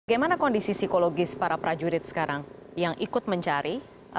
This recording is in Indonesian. bagaimana kondisi psikologis para prajurit sekarang yang ikut mencari